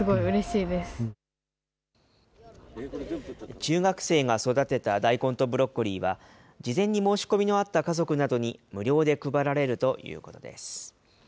中学生が育てた大根とブロッコリーは、事前に申し込みのあった家族などに無料で配られるということです。